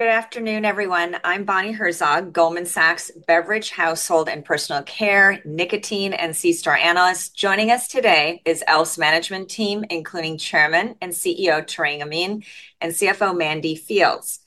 Good afternoon, everyone. I'm Bonnie Herzog, Goldman Sachs Beverage, Household and Personal Care, Nicotine and Seastar Analyst. Joining us today is e.l.f. Management Team, including Chairman and CEO Tarang Amin and CFO Mandy Fields.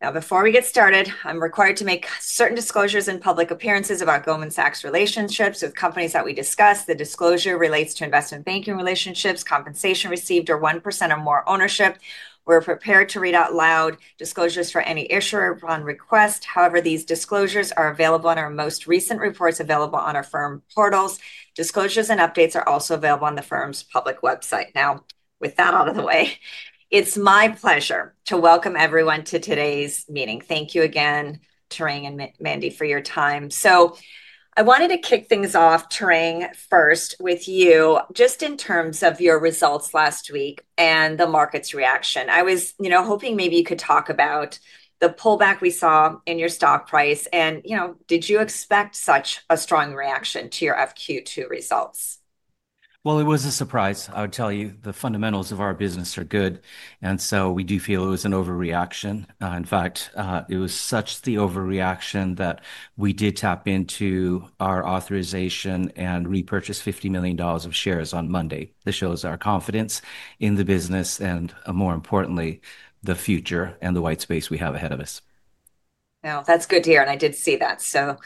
Now, before we get started, I'm required to make certain disclosures in public appearances about Goldman Sachs' relationships with companies that we discuss. The disclosure relates to investment banking relationships, compensation received, or 1% or more ownership. We're prepared to read out loud disclosures for any issuer upon request. However, these disclosures are available in our most recent reports available on our firm portals. Disclosures and updates are also available on the firm's public website. Now, with that out of the way, it's my pleasure to welcome everyone to today's meeting. Thank you again, Tarang and Mandy, for your time. I wanted to kick things off, Tarang, first with you, just in terms of your results last week and the market's reaction. I was, you know, hoping maybe you could talk about the pullback we saw in your stock price. You know, did you expect such a strong reaction to your FQ2 results? It was a surprise, I would tell you. The fundamentals of our business are good, and so we do feel it was an overreaction. In fact, it was such the overreaction that we did tap into our authorization and repurchased $50 million of shares on Monday. This shows our confidence in the business and, more importantly, the future and the white space we have ahead of us. Now, that's good to hear, and I did see that, so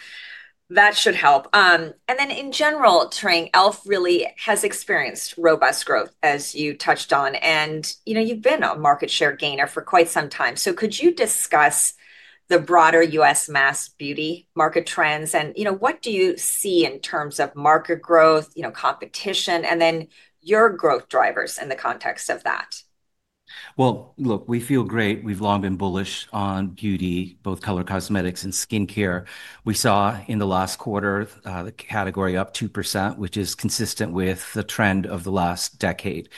that should help. And then, in general, Tarang, e.l.f. really has experienced robust growth, as you touched on, and, you know, you've been a market share gainer for quite some time. So could you discuss the broader U.S. mass beauty market trends and, you know, what do you see in terms of market growth, you know, competition, and then your growth drivers in the context of that? Look, we feel great. We've long been bullish on beauty, both color cosmetics and skincare. We saw in the last quarter the category up 2%, which is consistent with the trend of the last decade.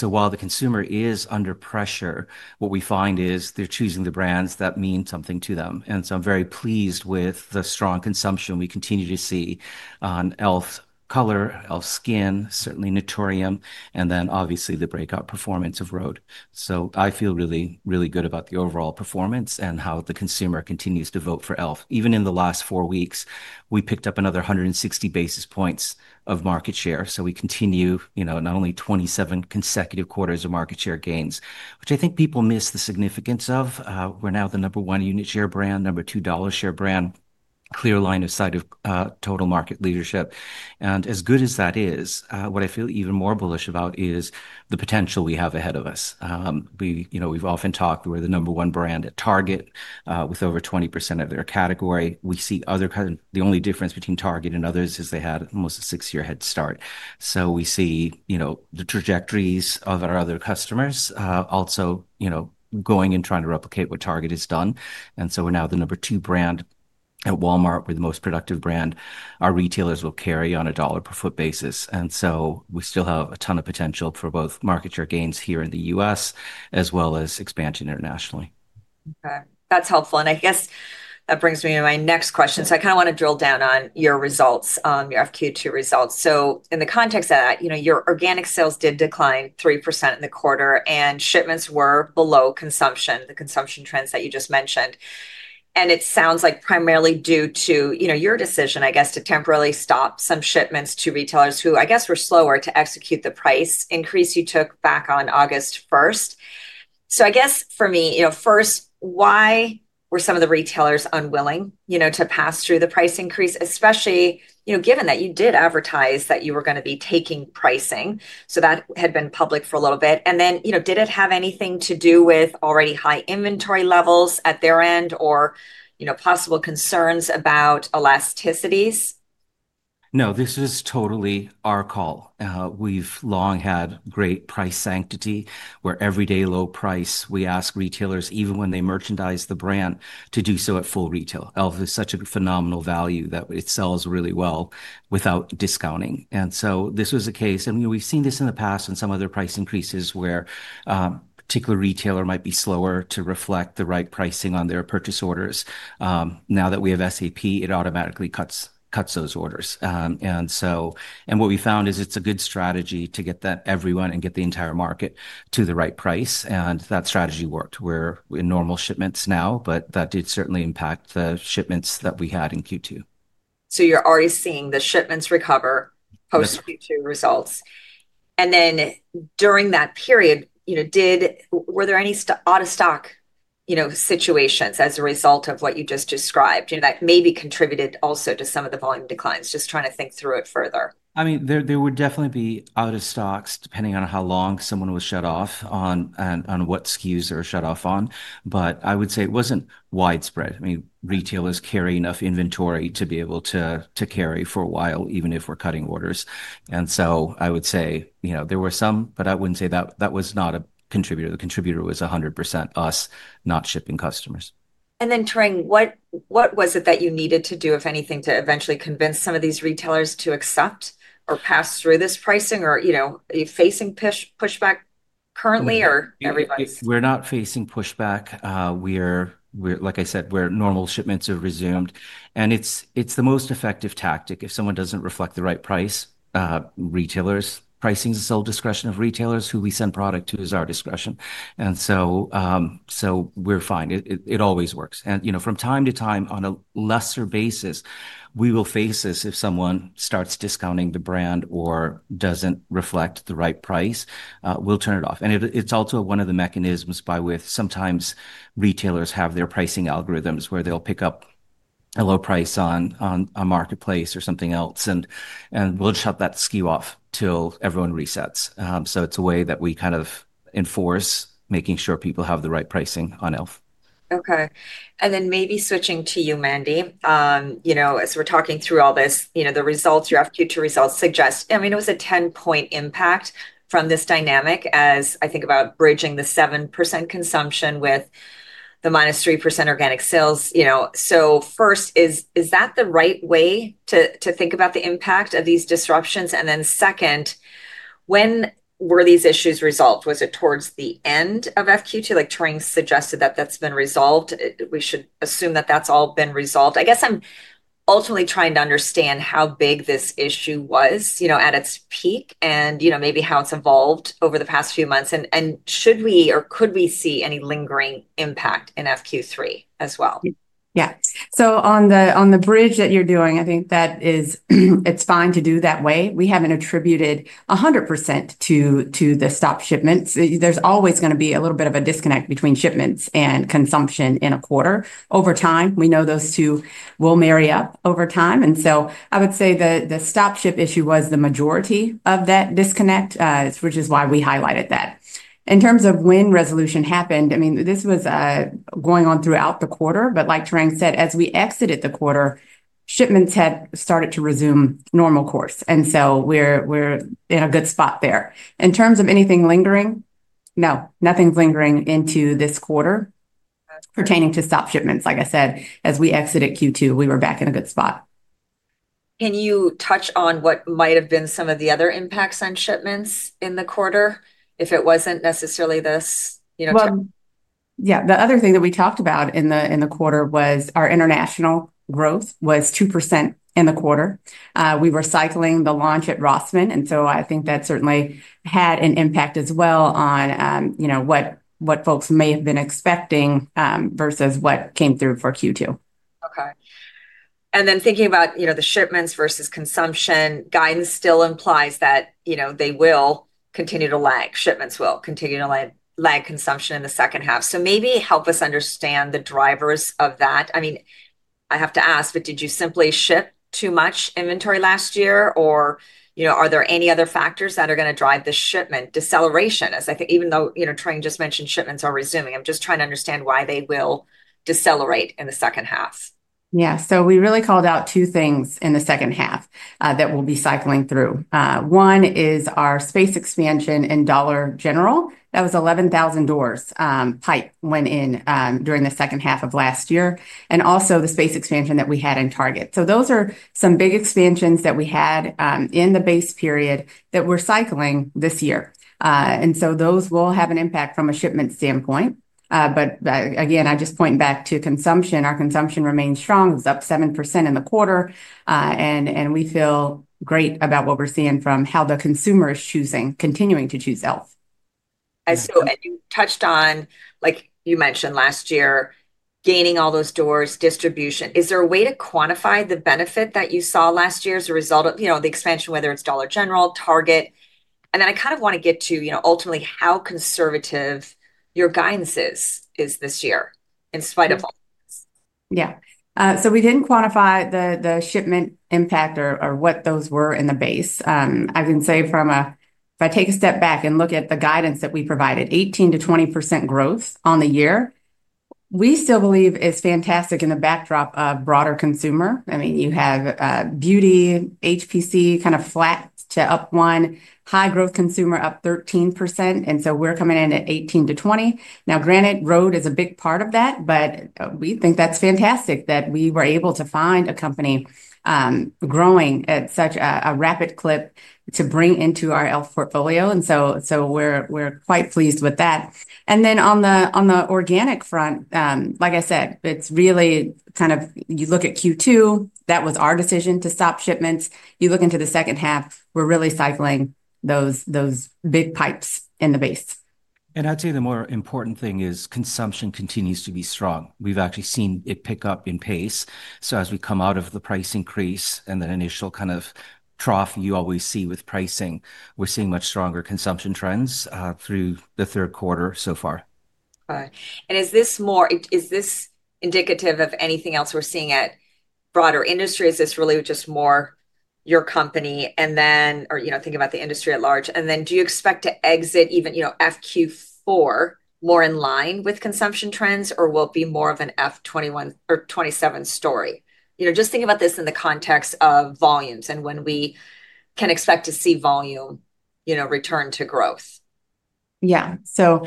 While the consumer is under pressure, what we find is they're choosing the brands that mean something to them. I'm very pleased with the strong consumption we continue to see on e.l.f.'s color, e.l.f. Skin, certainly Naturium, and then obviously the breakout performance of rhode. I feel really, really good about the overall performance and how the consumer continues to vote for e.l.f. Even in the last four weeks, we picked up another 160 basis points of market share. We continue, you know, not only 27 consecutive quarters of market share gains, which I think people miss the significance of. We're now the number one unit share brand, number two dollar share brand, clear line of sight of total market leadership. As good as that is, what I feel even more bullish about is the potential we have ahead of us. We, you know, we've often talked we're the number one brand at Target with over 20% of their category. We see other, kind of the only difference between Target and others is they had almost a six-year head start. We see, you know, the trajectories of our other customers also, you know, going and trying to replicate what Target has done. We're now the number two brand at Walmart. We're the most productive brand our retailers will carry on a dollar per foot basis. We still have a ton of potential for both market share gains here in the U.S. as well as expansion internationally. Okay, that's helpful. I guess that brings me to my next question. I kind of want to drill down on your results, your FQ2 results. In the context of that, you know, your organic sales did decline 3% in the quarter, and shipments were below consumption, the consumption trends that you just mentioned. It sounds like primarily due to, you know, your decision, I guess, to temporarily stop some shipments to retailers who, I guess, were slower to execute the price increase you took back on August 1. I guess for me, you know, first, why were some of the retailers unwilling, you know, to pass through the price increase, especially, you know, given that you did advertise that you were going to be taking pricing? That had been public for a little bit. You know, did it have anything to do with already high inventory levels at their end or, you know, possible concerns about elasticities? No, this is totally our call. We've long had great price sanctity where every day low price, we ask retailers, even when they merchandise the brand, to do so at full retail. e.l.f. has such a phenomenal value that it sells really well without discounting. This was the case. You know, we've seen this in the past in some other price increases where a particular retailer might be slower to reflect the right pricing on their purchase orders. Now that we have SAP, it automatically cuts those orders. What we found is it's a good strategy to get everyone and get the entire market to the right price. That strategy worked. We're in normal shipments now, but that did certainly impact the shipments that we had in Q2. You're already seeing the shipments recover post-Q2 results. During that period, you know, were there any out-of-stock, you know, situations as a result of what you just described, you know, that maybe contributed also to some of the volume declines? Just trying to think through it further. I mean, there would definitely be out-of-stocks depending on how long someone was shut off on and on what SKUs they were shut off on. I would say it was not widespread. I mean, retailers carry enough inventory to be able to carry for a while, even if we are cutting orders. I would say, you know, there were some, but I would not say that that was not a contributor. The contributor was 100% us, not shipping customers. Tarang, what was it that you needed to do, if anything, to eventually convince some of these retailers to accept or pass through this pricing or, you know, are you facing pushback currently or everybody? We're not facing pushback. We're, like I said, where normal shipments have resumed. It is the most effective tactic. If someone does not reflect the right price, retailers' pricing is still at the discretion of retailers. Who we send product to is our discretion. We are fine. It always works. You know, from time to time, on a lesser basis, we will face this if someone starts discounting the brand or does not reflect the right price, we will turn it off. It is also one of the mechanisms by which sometimes retailers have their pricing algorithms where they will pick up a low price on a marketplace or something else and we will shut that SKU off until everyone resets. It is a way that we kind of enforce making sure people have the right pricing on e.l.f. Okay. And then maybe switching to you, Mandy, you know, as we're talking through all this, you know, the results, your FQ2 results suggest, I mean, it was a 10-point impact from this dynamic as I think about bridging the 7% consumption with the minus 3% organic sales, you know. First, is that the right way to think about the impact of these disruptions? Then, when were these issues resolved? Was it towards the end of FQ2? Like Tarang suggested that that's been resolved. We should assume that that's all been resolved. I guess I'm ultimately trying to understand how big this issue was, you know, at its peak and, you know, maybe how it's evolved over the past few months. Should we or could we see any lingering impact in FQ3 as well? Yeah. On the bridge that you're doing, I think that is, it's fine to do that way. We haven't attributed 100% to the stop shipments. There's always going to be a little bit of a disconnect between shipments and consumption in a quarter. Over time, we know those two will marry up over time. I would say the stop ship issue was the majority of that disconnect, which is why we highlighted that. In terms of when resolution happened, I mean, this was going on throughout the quarter. Like Tarang said, as we exited the quarter, shipments had started to resume normal course. We're in a good spot there. In terms of anything lingering, no, nothing's lingering into this quarter pertaining to stop shipments. Like I said, as we exited Q2, we were back in a good spot. Can you touch on what might have been some of the other impacts on shipments in the quarter if it wasn't necessarily this, you know? Yeah, the other thing that we talked about in the quarter was our international growth was 2% in the quarter. We were cycling the launch at Rossmann. I think that certainly had an impact as well on, you know, what folks may have been expecting versus what came through for Q2. Okay. And then thinking about, you know, the shipments versus consumption, guidance still implies that, you know, they will continue to lag. Shipments will continue to lag consumption in the second half. Maybe help us understand the drivers of that. I mean, I have to ask, but did you simply ship too much inventory last year? Or, you know, are there any other factors that are going to drive the shipment deceleration? As I think, even though, you know, Tarang just mentioned shipments are resuming, I'm just trying to understand why they will decelerate in the second half. Yeah. We really called out two things in the second half that we'll be cycling through. One is our space expansion in Dollar General. That was 11,000 doors that went in during the second half of last year. Also, the space expansion that we had in Target. Those are some big expansions that we had in the base period that we're cycling this year. Those will have an impact from a shipment standpoint. Again, I just point back to consumption. Our consumption remains strong. It's up 7% in the quarter. We feel great about what we're seeing from how the consumer is choosing, continuing to choose e.l.f. You touched on, like you mentioned last year, gaining all those doors, distribution. Is there a way to quantify the benefit that you saw last year as a result of, you know, the expansion, whether it's Dollar General, Target? I kind of want to get to, you know, ultimately how conservative your guidance is this year in spite of all this. Yeah. We did not quantify the shipment impact or what those were in the base. I can say from a, if I take a step back and look at the guidance that we provided, 18%-20% growth on the year, we still believe is fantastic in the backdrop of broader consumer. I mean, you have beauty, HPC kind of flat to up one, high growth consumer up 13%. We are coming in at 18%-20%. Now, granted, rhode is a big part of that, but we think that is fantastic that we were able to find a company growing at such a rapid clip to bring into our e.l.f. portfolio. We are quite pleased with that. On the organic front, like I said, it is really kind of, you look at Q2, that was our decision to stop shipments. You look into the second half, we're really cycling those big pipes in the base. I'd say the more important thing is consumption continues to be strong. We've actually seen it pick up in pace. As we come out of the price increase and the initial kind of trough you always see with pricing, we're seeing much stronger consumption trends through the third quarter so far. Is this indicative of anything else we're seeing at broader industry? Is this really just more your company and then, or, you know, thinking about the industry at large? Do you expect to exit even, you know, FQ4 more in line with consumption trends or will it be more of an F2021 or 2027 story? You know, just think about this in the context of volumes and when we can expect to see volume, you know, return to growth. Yeah. So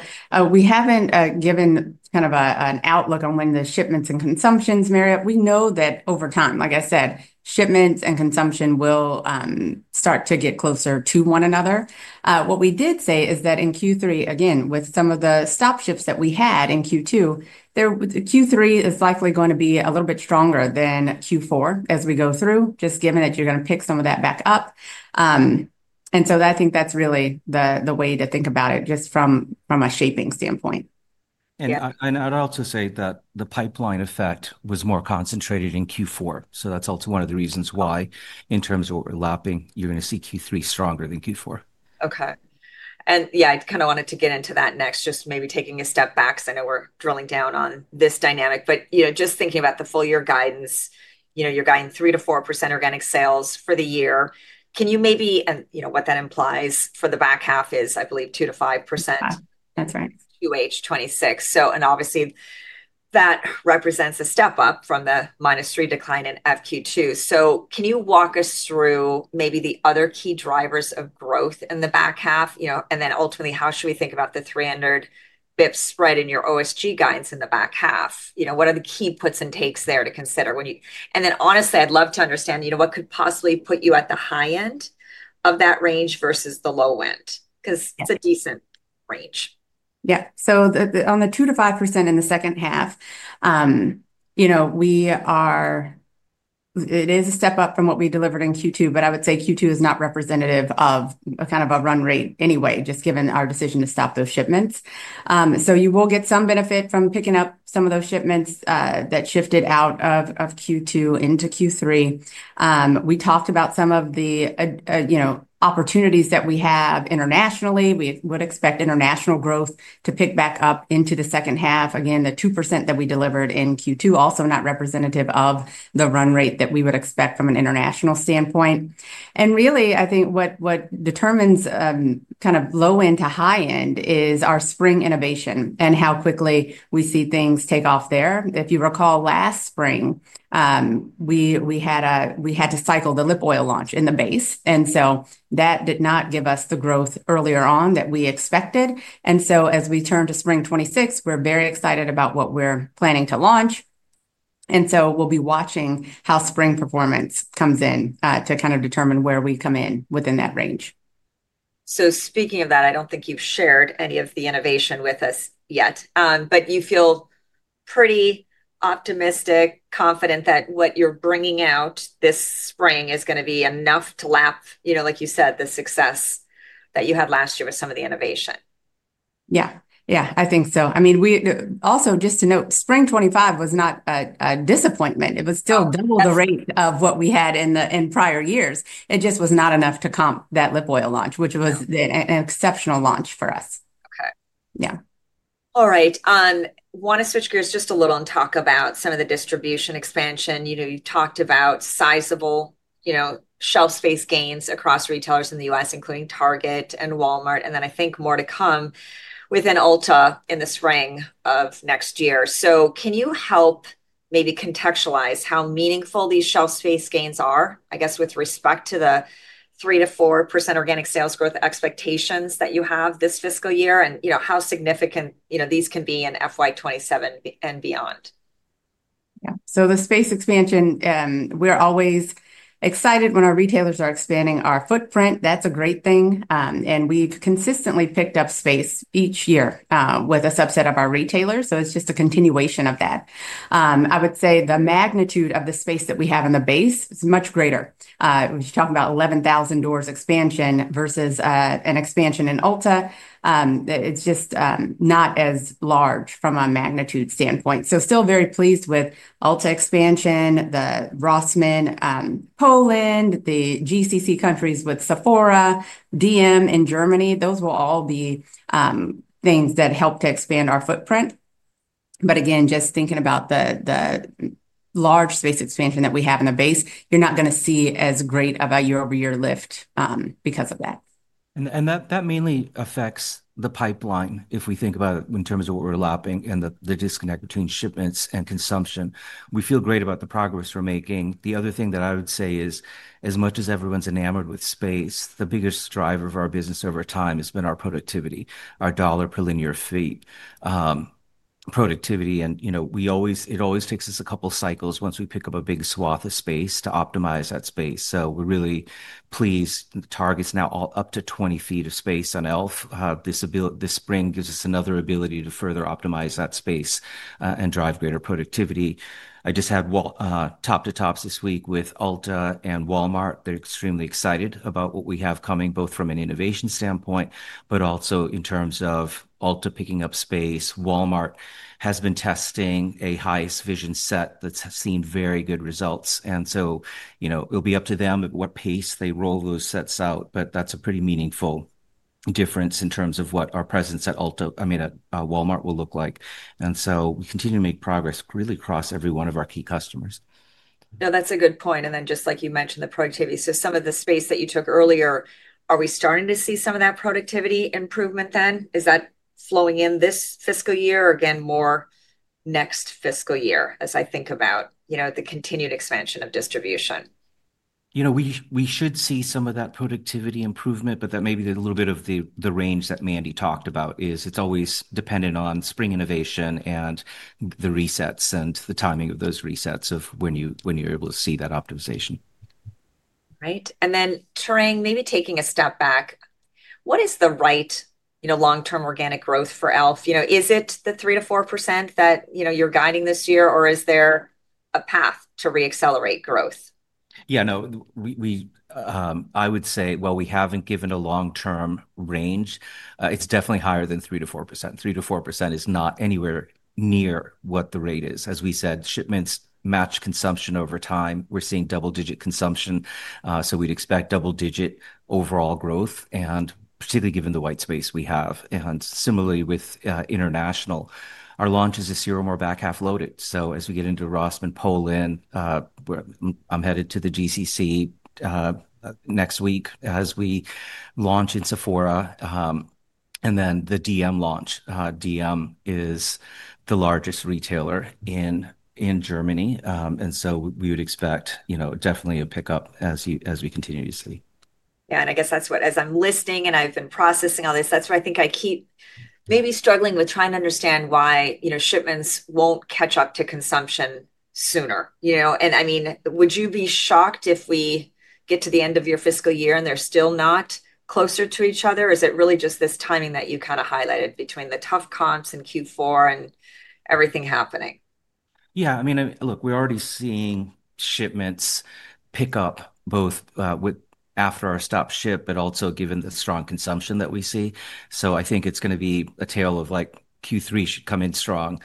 we have not given kind of an outlook on when the shipments and consumptions marry up. We know that over time, like I said, shipments and consumption will start to get closer to one another. What we did say is that in Q3, again, with some of the stop ships that we had in Q2, Q3 is likely going to be a little bit stronger than Q4 as we go through, just given that you are going to pick some of that back up. I think that is really the way to think about it just from a shaping standpoint. I'd also say that the pipeline effect was more concentrated in Q4. That is also one of the reasons why in terms of what we're lapping, you're going to see Q3 stronger than Q4. Okay. And yeah, I kind of wanted to get into that next, just maybe taking a step back because I know we're drilling down on this dynamic. But, you know, just thinking about the full year guidance, you know, you're guiding 3%-4% organic sales for the year. Can you maybe, and you know what that implies for the back half is, I believe, 2%-5% QH26. So, and obviously that represents a step up from the minus 3% decline in FQ2. Can you walk us through maybe the other key drivers of growth in the back half, you know, and then ultimately how should we think about the 300 basis points spread in your OSG guidance in the back half? You know, what are the key puts and takes there to consider when you, and then honestly, I'd love to understand, you know, what could possibly put you at the high end of that range versus the low end because it's a decent range. Yeah. On the 2-5% in the second half, you know, it is a step up from what we delivered in Q2, but I would say Q2 is not representative of kind of a run rate anyway, just given our decision to stop those shipments. You will get some benefit from picking up some of those shipments that shifted out of Q2 into Q3. We talked about some of the, you know, opportunities that we have internationally. We would expect international growth to pick back up into the second half. Again, the 2% that we delivered in Q2 also not representative of the run rate that we would expect from an international standpoint. Really, I think what determines kind of low end to high end is our spring innovation and how quickly we see things take off there. If you recall last spring, we had to cycle the Lip Oil launch in the base. That did not give us the growth earlier on that we expected. As we turn to spring 2026, we're very excited about what we're planning to launch. We'll be watching how spring performance comes in to kind of determine where we come in within that range. Speaking of that, I do not think you have shared any of the innovation with us yet, but you feel pretty optimistic, confident that what you are bringing out this spring is going to be enough to lap, you know, like you said, the success that you had last year with some of the innovation. Yeah. Yeah, I think so. I mean, we also, just to note, spring 2025 was not a disappointment. It was still double the rate of what we had in prior years. It just was not enough to comp that Lip Oil launch, which was an exceptional launch for us. Okay. Yeah. All right. I want to switch gears just a little and talk about some of the distribution expansion. You know, you talked about sizable, you know, shelf space gains across retailers in the U.S., including Target and Walmart. And then I think more to come within Ulta in the spring of next year. Can you help maybe contextualize how meaningful these shelf space gains are, I guess, with respect to the 3-4% organic sales growth expectations that you have this fiscal year and, you know, how significant, you know, these can be in FY27 and beyond? Yeah. So the space expansion, we're always excited when our retailers are expanding our footprint. That's a great thing. And we've consistently picked up space each year with a subset of our retailers. It's just a continuation of that. I would say the magnitude of the space that we have in the base is much greater. We're talking about 11,000 doors expansion versus an expansion in Ulta. It's just not as large from a magnitude standpoint. Still very pleased with Ulta expansion, the Rossmann, Poland, the GCC countries with Sephora, dm-drogerie markt in Germany. Those will all be things that help to expand our footprint. Again, just thinking about the large space expansion that we have in the base, you're not going to see as great of a year-over-year lift because of that. That mainly affects the pipeline if we think about it in terms of what we're lapping and the disconnect between shipments and consumption. We feel great about the progress we're making. The other thing that I would say is, as much as everyone's enamored with space, the biggest driver of our business over time has been our productivity, our dollar per linear feet productivity. You know, it always takes us a couple of cycles once we pick up a big swath of space to optimize that space. We're really pleased. Target's now all up to 20 feet of space on e.l.f. This spring gives us another ability to further optimize that space and drive greater productivity. I just had top to tops this week with Ulta and Walmart. They're extremely excited about what we have coming both from an innovation standpoint, but also in terms of Ulta picking up space. Walmart has been testing a highest vision set that's seen very good results. You know, it'll be up to them at what pace they roll those sets out, but that's a pretty meaningful difference in terms of what our presence at Ulta, I mean, at Walmart will look like. We continue to make progress really across every one of our key customers. No, that's a good point. Just like you mentioned, the productivity. Some of the space that you took earlier, are we starting to see some of that productivity improvement then? Is that flowing in this fiscal year or again, more next fiscal year as I think about, you know, the continued expansion of distribution? You know, we should see some of that productivity improvement, but that may be a little bit of the range that Mandy talked about, as it is always dependent on spring innovation and the resets and the timing of those resets of when you are able to see that optimization. Right. Tarang, maybe taking a step back, what is the right, you know, long-term organic growth for e.l.f.? You know, is it the 3-4% that, you know, you're guiding this year or is there a path to re-accelerate growth? Yeah, no, I would say, we haven't given a long-term range. It's definitely higher than 3-4%. 3-4% is not anywhere near what the rate is. As we said, shipments match consumption over time. We're seeing double-digit consumption. So we'd expect double-digit overall growth, and particularly given the white space we have. Similarly with international, our launch is a serial more back half loaded. As we get into Rossmann, Poland, I'm headed to the GCC next week as we launch in Sephora. Then the dm-drogerie markt launch. dm-drogerie markt is the largest retailer in Germany. We would expect, you know, definitely a pickup as we continue to see. Yeah. I guess that's what, as I'm listening and I've been processing all this, that's why I think I keep maybe struggling with trying to understand why, you know, shipments won't catch up to consumption sooner, you know? I mean, would you be shocked if we get to the end of your fiscal year and they're still not closer to each other? Is it really just this timing that you kind of highlighted between the tough comps and Q4 and everything happening? Yeah. I mean, look, we're already seeing shipments pick up both after our stop ship, but also given the strong consumption that we see. I think it's going to be a tale of like Q3 should come in strong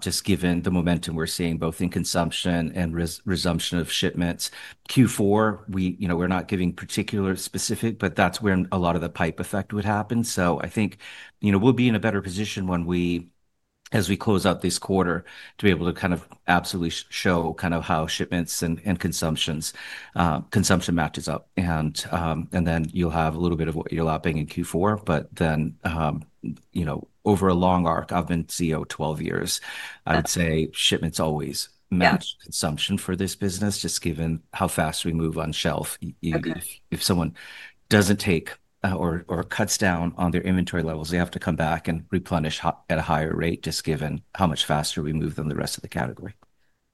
just given the momentum we're seeing both in consumption and resumption of shipments. Q4, we, you know, we're not giving particular specific, but that's where a lot of the pipe effect would happen. I think, you know, we'll be in a better position when we, as we close out this quarter, to be able to kind of absolutely show kind of how shipments and consumption matches up. You'll have a little bit of what you're lapping in Q4, but then, you know, over a long arc, I've been CEO 12 years, I'd say shipments always match consumption for this business just given how fast we move on shelf. If someone does not take or cuts down on their inventory levels, they have to come back and replenish at a higher rate just given how much faster we move than the rest of the category.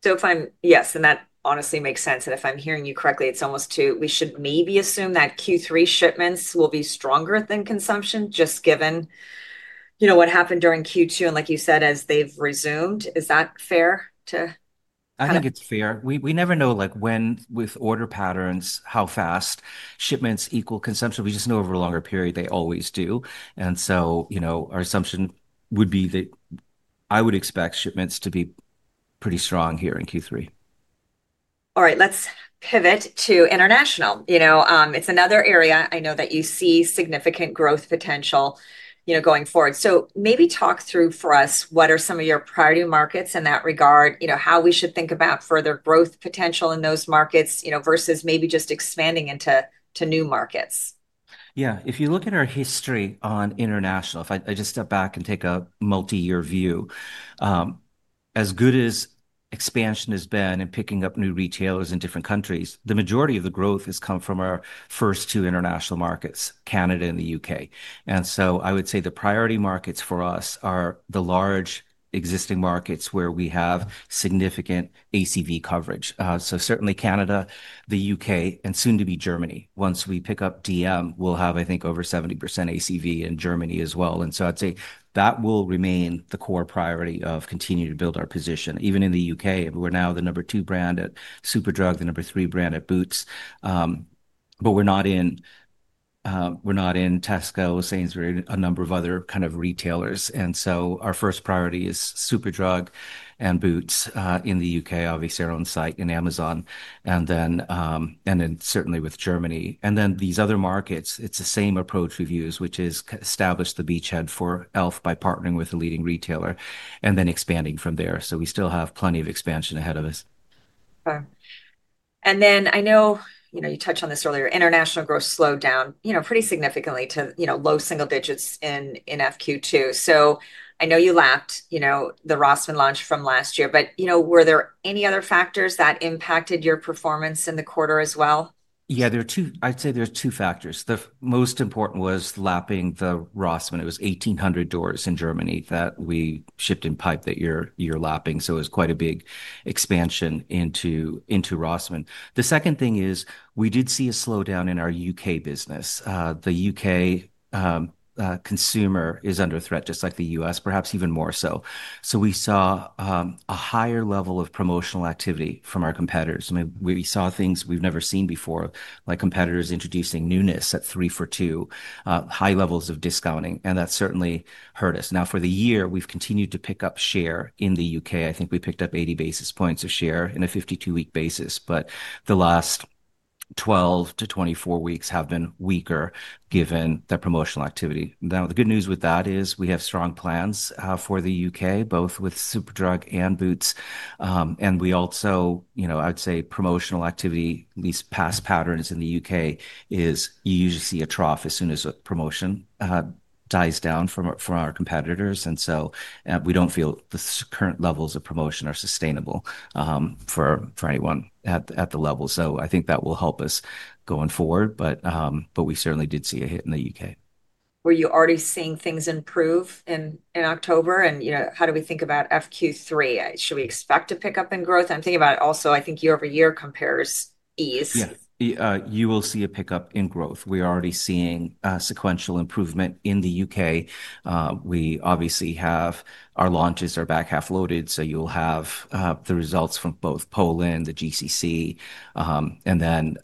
If I'm, yes, and that honestly makes sense. If I'm hearing you correctly, it's almost, too, we should maybe assume that Q3 shipments will be stronger than consumption just given, you know, what happened during Q2 and, like you said, as they've resumed. Is that fair to? I think it's fair. We never know like when with order patterns, how fast shipments equal consumption. We just know over a longer period they always do. You know, our assumption would be that I would expect shipments to be pretty strong here in Q3. All right. Let's pivot to international. You know, it's another area I know that you see significant growth potential, you know, going forward. Maybe talk through for us what are some of your priority markets in that regard, you know, how we should think about further growth potential in those markets, you know, versus maybe just expanding into new markets. Yeah. If you look at our history on international, if I just step back and take a multi-year view, as good as expansion has been and picking up new retailers in different countries, the majority of the growth has come from our first two international markets, Canada and the U.K. I would say the priority markets for us are the large existing markets where we have significant ACV coverage. Certainly Canada, the U.K., and soon to be Germany. Once we pick up dm-drogerie markt, we'll have, I think, over 70% ACV in Germany as well. I'd say that will remain the core priority of continuing to build our position. Even in the U.K., we're now the number two brand at Superdrug, the number three brand at Boots. We're not in Tesco, Sainsbury's, a number of other kind of retailers. Our first priority is Superdrug and Boots in the U.K., obviously our own site and Amazon. Then certainly with Germany. These other markets, it's the same approach we've used, which is establish the beachhead for e.l.f. by partnering with a leading retailer and then expanding from there. We still have plenty of expansion ahead of us. Okay. And then I know, you know, you touched on this earlier, international growth slowed down, you know, pretty significantly to, you know, low single digits in FQ2. I know you lapped, you know, the Rossmann launch from last year, but you know, were there any other factors that impacted your performance in the quarter as well? Yeah, there are two, I'd say there's two factors. The most important was lapping the Rossmann. It was 1,800 doors in Germany that we shipped in pipe that you're lapping. It was quite a big expansion into Rossmann. The second thing is we did see a slowdown in our U.K. business. The U.K. consumer is under threat, just like the U.S., perhaps even more so. We saw a higher level of promotional activity from our competitors. I mean, we saw things we've never seen before, like competitors introducing newness at three for two, high levels of discounting, and that certainly hurt us. Now for the year, we've continued to pick up share in the U.K. I think we picked up 80 basis points of share on a 52-week basis, but the last 12-24 weeks have been weaker given that promotional activity. Now, the good news with that is we have strong plans for the U.K., both with Superdrug and Boots. And we also, you know, I'd say promotional activity, at least past patterns in the U.K., is you usually see a trough as soon as promotion dies down from our competitors. And so we don't feel the current levels of promotion are sustainable for anyone at the level. So I think that will help us going forward, but we certainly did see a hit in the U.K. Were you already seeing things improve in October? You know, how do we think about FQ3? Should we expect a pickup in growth? I am thinking about it also, I think year over year compares ease. Yeah. You will see a pickup in growth. We're already seeing sequential improvement in the U.K. We obviously have our launches are back half loaded. You will have the results from both Poland, the GCC, and then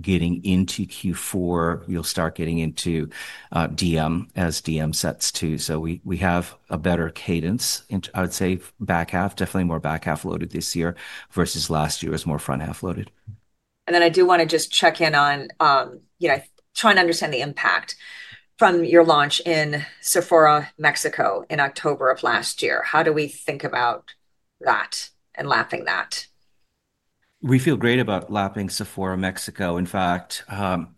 getting into Q4, you will start getting into dm as dm sets too. We have a better cadence, I would say, back half, definitely more back half loaded this year versus last year as more front half loaded. I do want to just check in on, you know, trying to understand the impact from your launch in Sephora, Mexico in October of last year. How do we think about that and lapping that? We feel great about lapping Sephora, Mexico. In fact,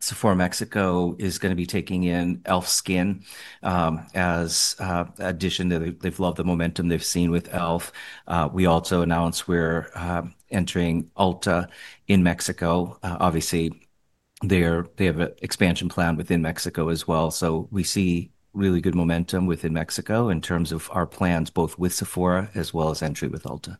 Sephora, Mexico is going to be taking in e.l.f. Skin as an addition. They've loved the momentum they've seen with e.l.f. We also announced we're entering Ulta in Mexico. Obviously, they have an expansion plan within Mexico as well. We see really good momentum within Mexico in terms of our plans both with Sephora as well as entry with Ulta.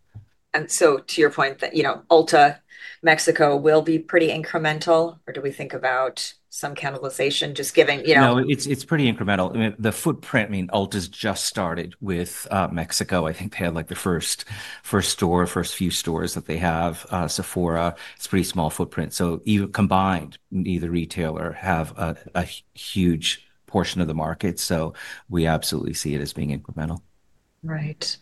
To your point, you know, Ulta, Mexico will be pretty incremental or do we think about some canalization just giving, you know? No, it's pretty incremental. I mean, the footprint, I mean, Ulta's just started with Mexico. I think they had like the first store, first few stores that they have. Sephora, it's a pretty small footprint. Even combined, neither retailer has a huge portion of the market. We absolutely see it as being incremental. Right.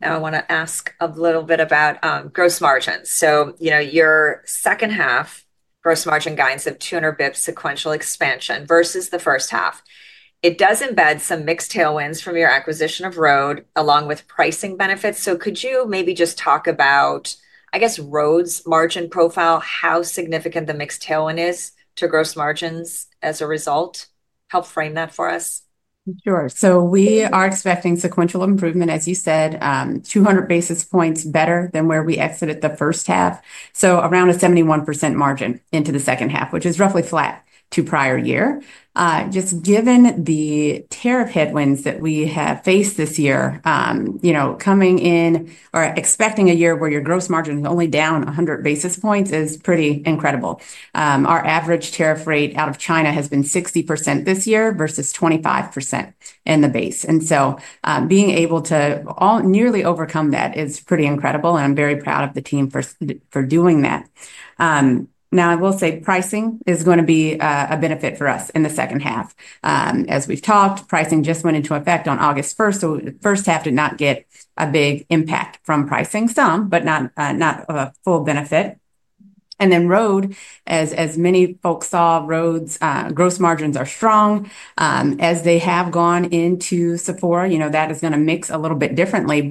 Now I want to ask a little bit about gross margins. So, you know, your second half gross margin guidance of 200 basis points sequential expansion versus the first half. It does embed some mix tailwinds from your acquisition of rhode along with pricing benefits. So could you maybe just talk about, I guess, rhode's margin profile, how significant the mix tailwind is to gross margins as a result? Help frame that for us. Sure. We are expecting sequential improvement, as you said, 200 basis points better than where we exited the first half. Around a 71% margin into the second half, which is roughly flat to prior year. Just given the tariff headwinds that we have faced this year, you know, coming in or expecting a year where your gross margin is only down 100 basis points is pretty incredible. Our average tariff rate out of China has been 60% this year versus 25% in the base. Being able to nearly overcome that is pretty incredible. I am very proud of the team for doing that. I will say pricing is going to be a benefit for us in the second half. As we have talked, pricing just went into effect on August 1. The first half did not get a big impact from pricing, some, but not a full benefit. And then rhode, as many folks saw, rhode's gross margins are strong. As they have gone into Sephora, you know, that is going to mix a little bit differently.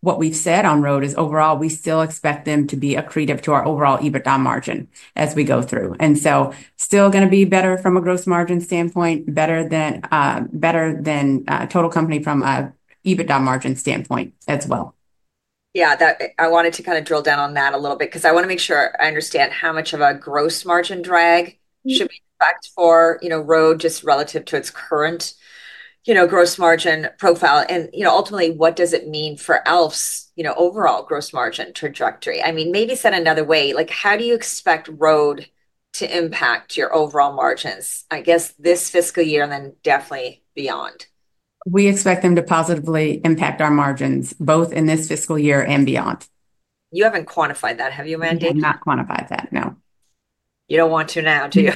What we've said on rhode is overall we still expect them to be accretive to our overall EBITDA margin as we go through. Still going to be better from a gross margin standpoint, better than total company from an EBITDA margin standpoint as well. Yeah, I wanted to kind of drill down on that a little bit because I want to make sure I understand how much of a gross margin drag should we expect for, you know, rhode just relative to its current, you know, gross margin profile. And, you know, ultimately, what does it mean for e.l.f.'s, you know, overall gross margin trajectory? I mean, maybe said another way, like how do you expect rhode to impact your overall margins, I guess this fiscal year and then definitely beyond? We expect them to positively impact our margins both in this fiscal year and beyond. You haven't quantified that, have you, Mandy? I have not quantified that, no. You do not want to now, do you?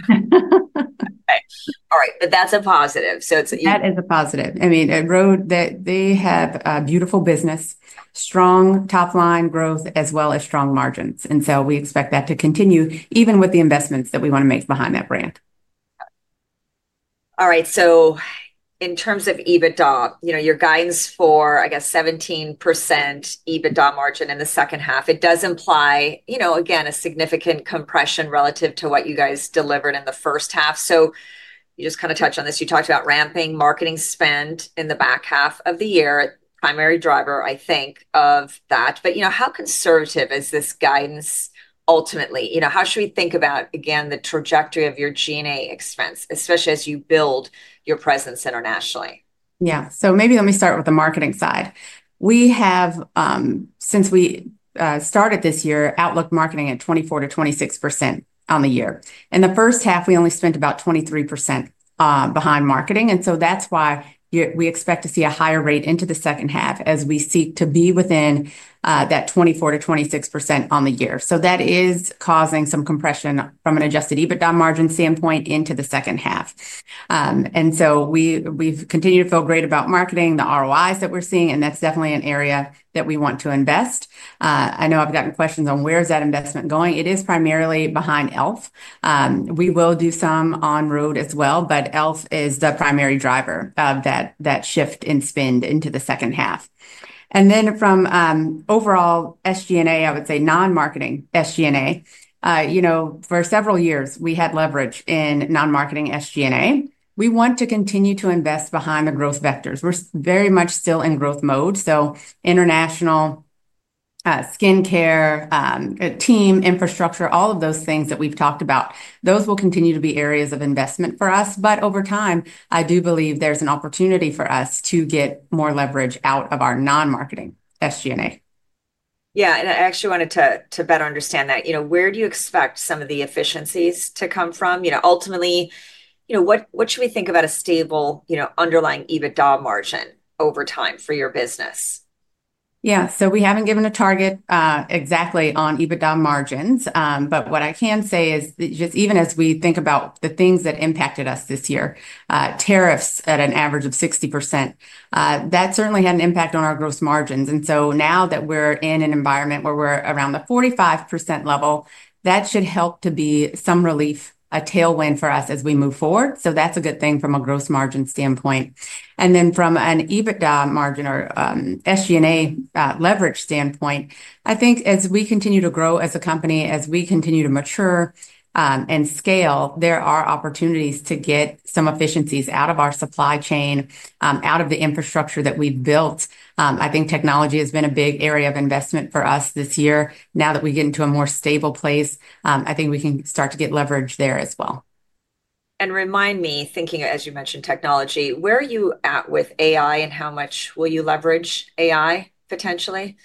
All right. That is a positive. That is a positive. I mean, at rhode, they have a beautiful business, strong top-line growth, as well as strong margins. I mean, we expect that to continue even with the investments that we want to make behind that brand. All right. So in terms of EBITDA, you know, your guidance for, I guess, 17% EBITDA margin in the second half, it does imply, you know, again, a significant compression relative to what you guys delivered in the first half. You just kind of touched on this. You talked about ramping marketing spend in the back half of the year, primary driver, I think, of that. You know, how conservative is this guidance ultimately? You know, how should we think about, again, the trajectory of your G&A expense, especially as you build your presence internationally? Yeah. Maybe let me start with the marketing side. We have, since we started this year, outlook marketing at 24%-26% on the year. In the first half, we only spent about 23% behind marketing. That is why we expect to see a higher rate into the second half as we seek to be within that 24%-26% on the year. That is causing some compression from an adjusted EBITDA margin standpoint into the second half. We have continued to feel great about marketing, the ROIs that we are seeing, and that is definitely an area that we want to invest. I know I have gotten questions on where is that investment going. It is primarily behind e.l.f. We will do some on rhode as well, but e.l.f. is the primary driver of that shift in spend into the second half. From overall SG&A, I would say non-marketing SG&A, you know, for several years we had leverage in non-marketing SG&A. We want to continue to invest behind the growth vectors. We are very much still in growth mode. International skincare team, infrastructure, all of those things that we have talked about, those will continue to be areas of investment for us. Over time, I do believe there is an opportunity for us to get more leverage out of our non-marketing SG&A. Yeah. I actually wanted to better understand that. You know, where do you expect some of the efficiencies to come from? You know, ultimately, you know, what should we think about a stable, you know, underlying EBITDA margin over time for your business? Yeah. We haven't given a target exactly on EBITDA margins, but what I can say is just even as we think about the things that impacted us this year, tariffs at an average of 60%, that certainly had an impact on our gross margins. Now that we're in an environment where we're around the 45% level, that should help to be some relief, a tailwind for us as we move forward. That's a good thing from a gross margin standpoint. Then from an EBITDA margin or SG&A leverage standpoint, I think as we continue to grow as a company, as we continue to mature and scale, there are opportunities to get some efficiencies out of our supply chain, out of the infrastructure that we've built. I think technology has been a big area of investment for us this year. Now that we get into a more stable place, I think we can start to get leverage there as well. Remind me, thinking, as you mentioned, technology, where are you at with AI and how much will you leverage AI potentially?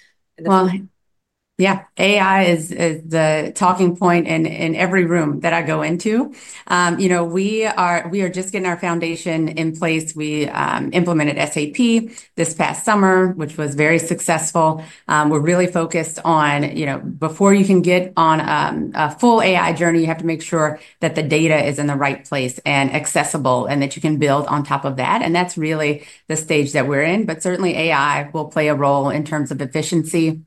Yeah, AI is the talking point in every room that I go into. You know, we are just getting our foundation in place. We implemented SAP this past summer, which was very successful. We are really focused on, you know, before you can get on a full AI journey, you have to make sure that the data is in the right place and accessible and that you can build on top of that. That is really the stage that we are in. Certainly AI will play a role in terms of efficiency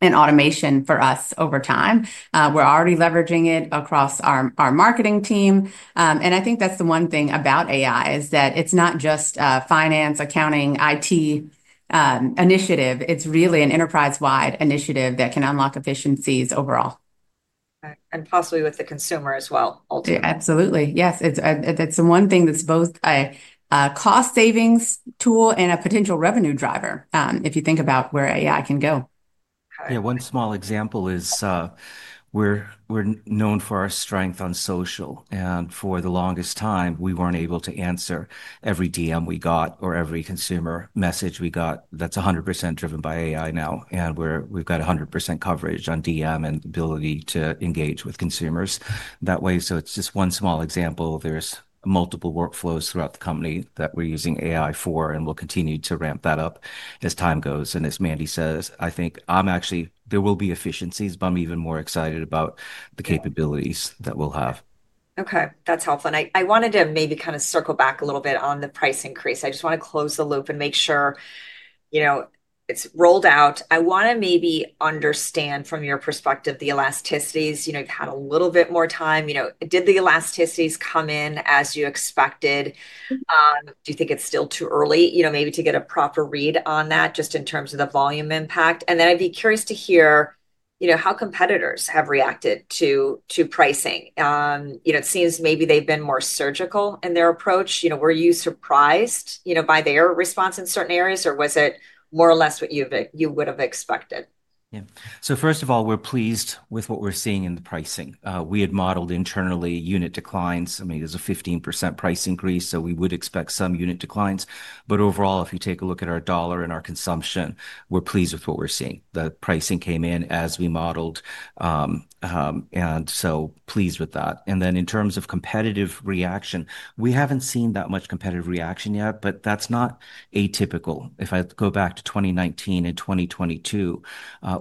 and automation for us over time. We are already leveraging it across our marketing team. I think that is the one thing about AI, is that it is not just finance, accounting, IT initiative. It is really an enterprise-wide initiative that can unlock efficiencies overall. Possibly with the consumer as well, ultimately. Absolutely. Yes. It's the one thing that's both a cost savings tool and a potential revenue driver if you think about where AI can go. Yeah. One small example is we're known for our strength on social. For the longest time, we weren't able to answer every DM we got or every consumer message we got. That's 100% driven by AI now. We've got 100% coverage on DM and ability to engage with consumers that way. It's just one small example. There are multiple workflows throughout the company that we're using AI for, and we'll continue to ramp that up as time goes. As Mandy says, I think actually, there will be efficiencies, but I'm even more excited about the capabilities that we'll have. Okay. That's helpful. I wanted to maybe kind of circle back a little bit on the price increase. I just want to close the loop and make sure, you know, it's rolled out. I want to maybe understand from your perspective the elasticities. You know, you've had a little bit more time. You know, did the elasticities come in as you expected? Do you think it's still too early, you know, maybe to get a proper read on that just in terms of the volume impact? I'd be curious to hear, you know, how competitors have reacted to pricing. You know, it seems maybe they've been more surgical in their approach. Were you surprised, you know, by their response in certain areas, or was it more or less what you would have expected? Yeah. First of all, we're pleased with what we're seeing in the pricing. We had modeled internally unit declines. I mean, there's a 15% price increase, so we would expect some unit declines. Overall, if you take a look at our dollar and our consumption, we're pleased with what we're seeing. The pricing came in as we modeled, and so pleased with that. In terms of competitive reaction, we haven't seen that much competitive reaction yet, but that's not atypical. If I go back to 2019 and 2022,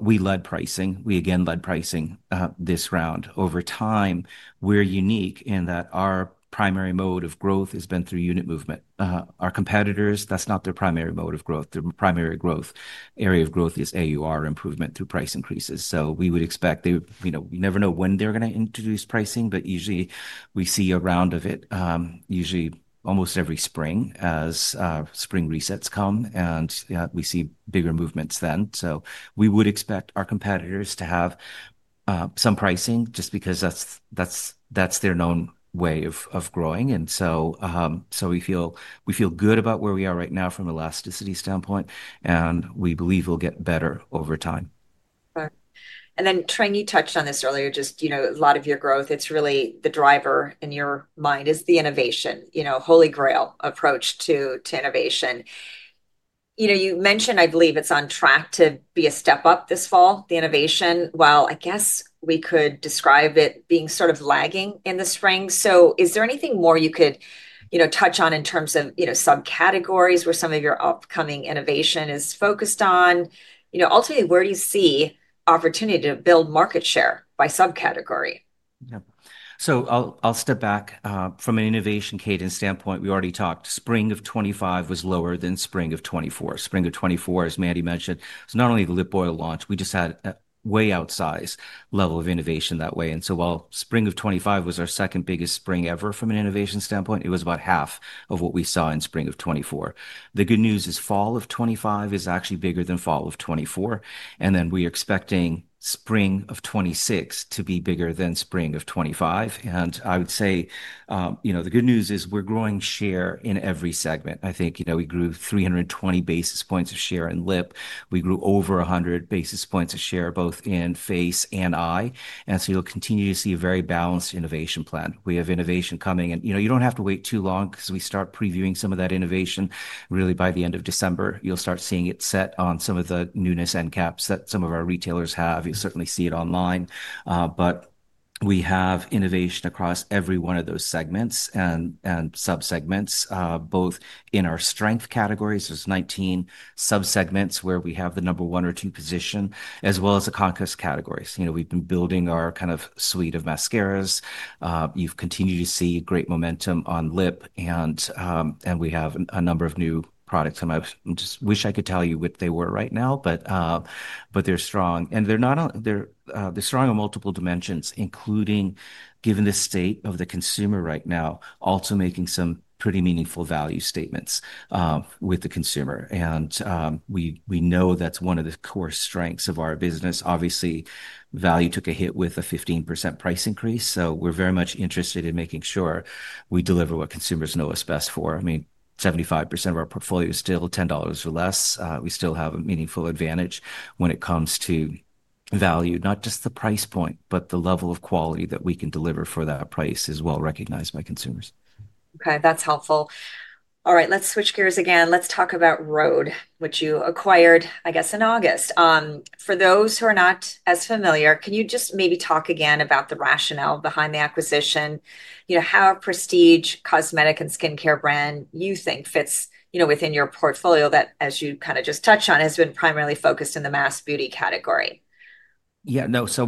we led pricing. We again led pricing this round. Over time, we're unique in that our primary mode of growth has been through unit movement. Our competitors, that's not their primary mode of growth. Their primary growth area of growth is AUR improvement through price increases. We would expect, you know, we never know when they're going to introduce pricing, but usually we see a round of it, usually almost every spring as spring resets come, and we see bigger movements then. We would expect our competitors to have some pricing just because that's their known way of growing. We feel good about where we are right now from an elasticity standpoint, and we believe we'll get better over time. Trang, you touched on this earlier, just, you know, a lot of your growth, it's really the driver in your mind is the innovation, you know, holy grail approach to innovation. You know, you mentioned, I believe it's on track to be a step up this fall, the innovation, while I guess we could describe it being sort of lagging in the spring. Is there anything more you could, you know, touch on in terms of, you know, subcategories where some of your upcoming innovation is focused on? You know, ultimately, where do you see opportunity to build market share by subcategory? Yeah. So I'll step back from an innovation cadence standpoint. We already talked spring of 2025 was lower than spring of 2024. Spring of 2024, as Mandy mentioned, it's not only the Lip Oil launch, we just had a way outsized level of innovation that way. And so while spring of 2025 was our second biggest spring ever from an innovation standpoint, it was about half of what we saw in spring of 2024. The good news is fall of 2025 is actually bigger than fall of 2024. We are expecting spring of 2026 to be bigger than spring of 2025. I would say, you know, the good news is we're growing share in every segment. I think, you know, we grew 320 basis points of share in lip. We grew over 100 basis points of share both in face and eye. You will continue to see a very balanced innovation plan. We have innovation coming. You know, you do not have to wait too long because we start previewing some of that innovation really by the end of December. You will start seeing it set on some of the newness and caps that some of our retailers have. You will certainly see it online. We have innovation across every one of those segments and subsegments, both in our strength categories. There are 19 subsegments where we have the number one or two position, as well as the conquest categories. You know, we have been building our kind of suite of mascaras. You have continued to see great momentum on lip, and we have a number of new products. I just wish I could tell you what they were right now, but they are strong. They're strong in multiple dimensions, including given the state of the consumer right now, also making some pretty meaningful value statements with the consumer. We know that's one of the core strengths of our business. Obviously, value took a hit with a 15% price increase. We're very much interested in making sure we deliver what consumers know us best for. I mean, 75% of our portfolio is still $10 or less. We still have a meaningful advantage when it comes to value, not just the price point, but the level of quality that we can deliver for that price is well recognized by consumers. Okay. That's helpful. All right. Let's switch gears again. Let's talk about rhode, which you acquired, I guess, in August. For those who are not as familiar, can you just maybe talk again about the rationale behind the acquisition? You know, how prestige cosmetic and skincare brand you think fits, you know, within your portfolio that, as you kind of just touched on, has been primarily focused in the mass beauty category? Yeah. No, so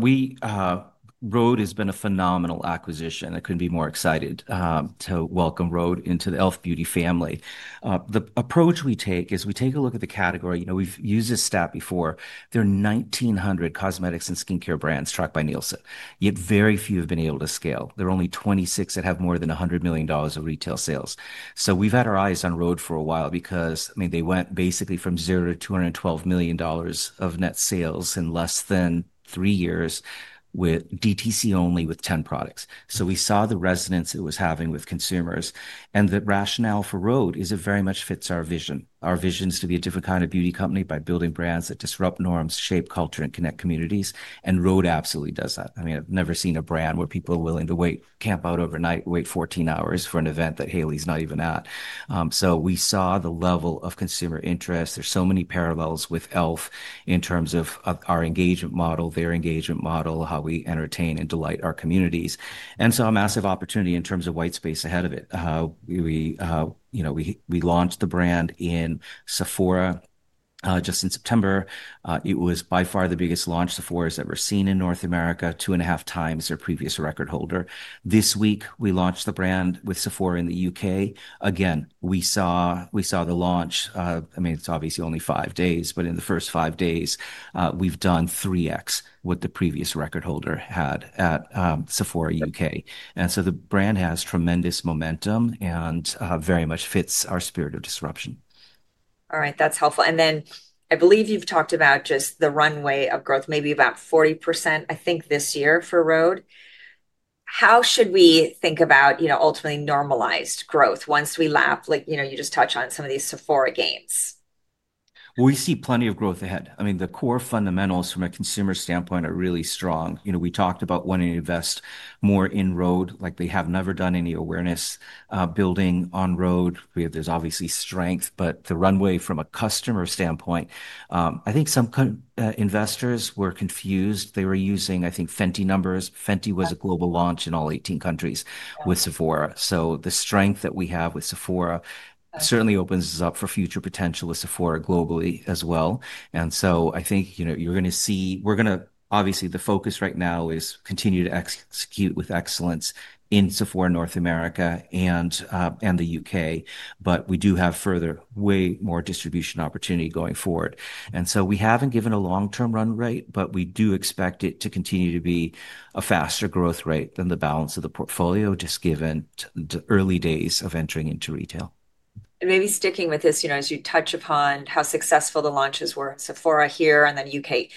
rhode has been a phenomenal acquisition. I couldn't be more excited to welcome rhode into the e.l.f. Beauty family. The approach we take is we take a look at the category. You know, we've used this stat before. There are 1,900 cosmetics and skincare brands tracked by Nielsen. Yet very few have been able to scale. There are only 26 that have more than $100 million of retail sales. We've had our eyes on rhode for a while because, I mean, they went basically from zero to $212 million of net sales in less than three years with DTC only with 10 products. We saw the resonance it was having with consumers. The rationale for rhode is it very much fits our vision. Our vision is to be a different kind of beauty company by building brands that disrupt norms, shape culture, and connect communities. And rhode absolutely does that. I mean, I've never seen a brand where people are willing to wait, camp out overnight, wait 14 hours for an event that Hailey's not even at. So we saw the level of consumer interest. There's so many parallels with e.l.f. in terms of our engagement model, their engagement model, how we entertain and delight our communities. And saw a massive opportunity in terms of white space ahead of it. We, you know, we launched the brand in Sephora just in September. It was by far the biggest launch Sephora has ever seen in North America, two and a half times their previous record holder. This week, we launched the brand with Sephora in the U.K. Again, we saw the launch. I mean, it's obviously only five days, but in the first five days, we've done 3x what the previous record holder had at Sephora U.K. And so the brand has tremendous momentum and very much fits our spirit of disruption. All right. That's helpful. I believe you've talked about just the runway of growth, maybe about 40%, I think this year for rhode. How should we think about, you know, ultimately normalized growth once we lap, like, you know, you just touched on some of these Sephora gains? We see plenty of growth ahead. I mean, the core fundamentals from a consumer standpoint are really strong. You know, we talked about wanting to invest more in rhode. Like, they have never done any awareness building on rhode. There's obviously strength, but the runway from a customer standpoint, I think some investors were confused. They were using, I think, Fenty numbers. Fenty was a global launch in all 18 countries with Sephora. The strength that we have with Sephora certainly opens us up for future potential with Sephora globally as well. I think, you know, you're going to see, we're going to, obviously, the focus right now is continue to execute with excellence in Sephora North America and the U.K. We do have further way more distribution opportunity going forward. We have not given a long-term run rate, but we do expect it to continue to be a faster growth rate than the balance of the portfolio, just given the early days of entering into retail. Maybe sticking with this, you know, as you touch upon how successful the launches were, Sephora here and then U.K.,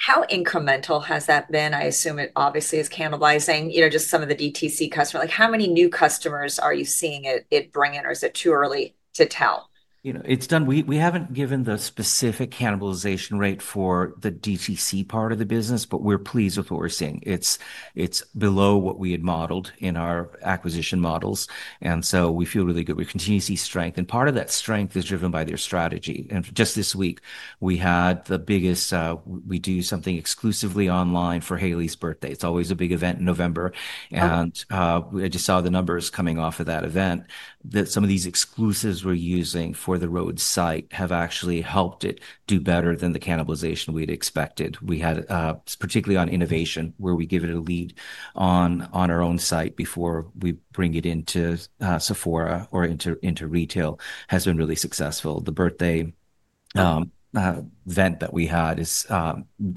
how incremental has that been? I assume it obviously is cannibalizing, you know, just some of the DTC customers. Like how many new customers are you seeing it bring in, or is it too early to tell? You know, it's done. We haven't given the specific cannibalization rate for the DTC part of the business, but we're pleased with what we're seeing. It's below what we had modeled in our acquisition models. We feel really good. We continue to see strength. Part of that strength is driven by their strategy. Just this week, we had the biggest, we do something exclusively online for Hailey's birthday. It's always a big event in November. I just saw the numbers coming off of that event that some of these exclusives we're using for the rhode site have actually helped it do better than the cannibalization we had expected. We had, particularly on innovation, where we give it a lead on our own site before we bring it into Sephora or into retail, has been really successful. The birthday event that we had has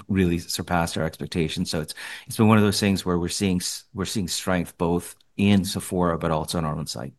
really surpassed our expectations. It has been one of those things where we're seeing strength both in Sephora, but also on our own site.